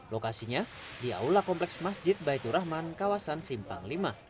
lokasinya di aula kompleks masjid baitur rahman kawasan simpang v